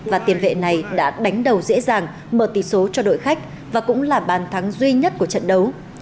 và tiền vệ này đã đánh đầu dễ dàng mở tỷ số cho đội khách và cũng là bàn thắng duy nhất của trận đấu